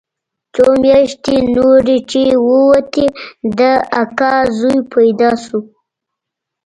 څو مياشتې نورې چې ووتې د اکا زوى پيدا سو.